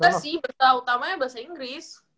bahasa sih bahasa utamanya bahasa inggris